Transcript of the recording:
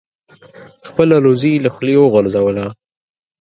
خپله روزي یې له خولې وغورځوله.